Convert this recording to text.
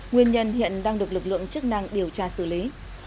nguyên nhân hiện đang được lực lượng chức năng điều tra xử lý